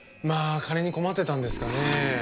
まあ金に困ってたんですかね。